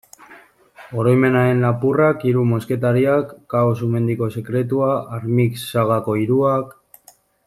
Oroimenaren lapurrak, Hiru mosketariak, Kao-Sumendiko sekretua, Armix sagako hiruak...